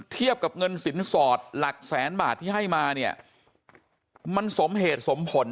เทียบกับเงินสินสอดหลักแสนบาทที่ให้มาเนี่ยมันสมเหตุสมผล